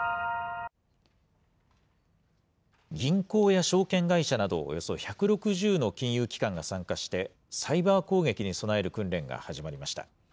銀行や証券会社などおよそ１６０の金融機関が参加して、サイバー攻撃に備える訓練が始まりました。